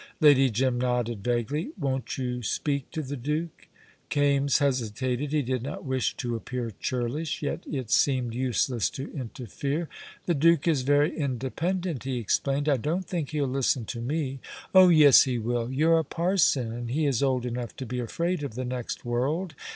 Lady Jim nodded vaguely. "Won't you speak to the Duke?" Kaimes hesitated. He did not wish to appear churlish; yet it seemed useless to interfere. "The Duke is very independent," he explained; "I don't think he'll listen to me." "Oh yes, he will. You're a parson, and he is old enough to be afraid of the next world.